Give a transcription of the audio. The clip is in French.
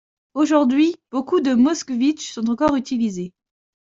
Aujourd'hui, beaucoup de Moskvitch sont encore utilisés.